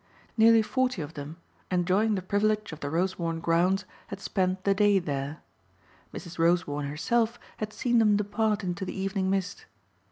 Nearly forty of them, enjoying the privilege of the Rosewarne grounds, had spent the day there. Mrs. Rosewarne herself had seen them depart into the evening mist.